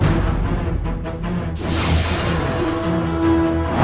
aku akan sampai ergonator